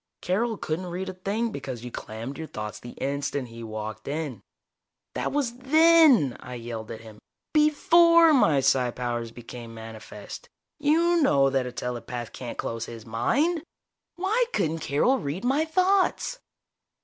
Carol couldn't read a thing because you clammed your thoughts the instant he walked in." "That was then!" I yelled at him. "Before my psi powers became manifest. You know that a telepath can't close his mind! Why couldn't Carol read my thoughts?"